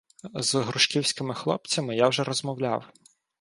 З грушківськими хлопцями я вже розмовляв.